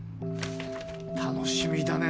楽しみだね